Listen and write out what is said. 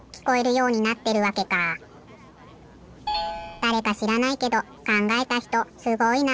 だれかしらないけどかんがえたひとすごいなあ！